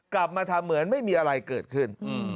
กลับมาทำเหมือนไม่มีอะไรเกิดขึ้น